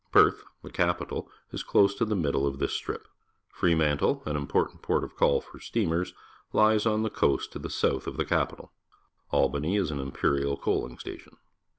Perth, the capital, is close to the middle of this strip. Fre manile, an important port, of call for steam ers, Ues on the coast to the south of the cap ital. Albany is an imperial coaling station.